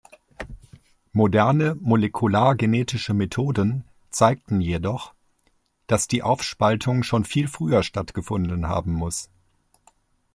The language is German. Moderne molekulargenetische Methoden zeigten jedoch, dass die Aufspaltung schon viel früher stattgefunden haben muss.